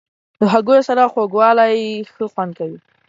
د هګیو سره خوږوالی ښه خوند ورکوي.